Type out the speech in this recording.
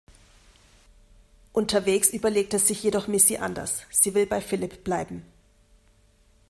Unterwegs überlegt es sich jedoch Missy anders, sie will bei Phillip bleiben.